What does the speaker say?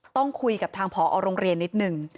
ต้องคุยกับทางผอโรงเรียนนิดนึง